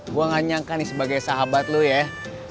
gue gak nyangka nih sebagai sahabat lo ya